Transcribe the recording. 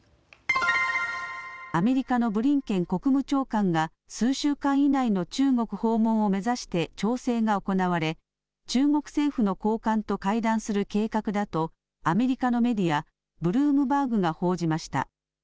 アメリカのブリンケン国務長官が数週間以内の中国訪問を目指して調整が行われ中国政府の高官と会談する計画だとアメリカのメディア、ブルームバーグが報じました。